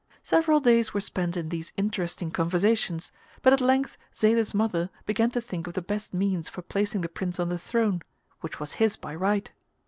Several days were spent in these interesting conversations, but at length Zayda's mother began to think of the best means for placing the Prince on the throne, which was his by right.